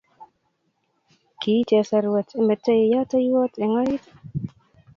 Kii chepserwet imetoi yateiywot eng orit